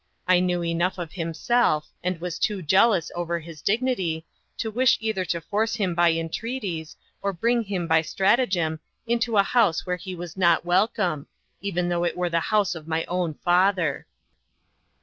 I knew enough of himself, and was too jealous over his dignity, to wish either to force him by entreaties, or bring him by stratagem, into a house where he was not welcome, even though it were the house of my own father.